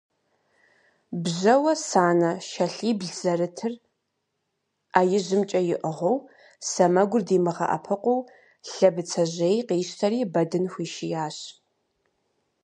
Бжьэуэ санэ шалъибл зэрытыр Ӏэ ижьымкӀэ иӀыгъыу, сэмэгур димыгъэӀэпыкъуу Лъэбыцэжьей къищтэри Бэдын хуишиящ.